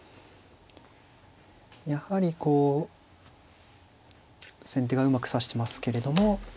やはりこう先手がうまく指してますけれども。